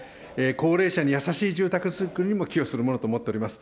高齢者に優しい住宅づくりにも寄与するものと思っております。